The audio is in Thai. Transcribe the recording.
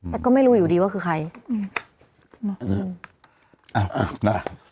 แต่ก็ไม่รู้อยู่ดีว่าคือใคร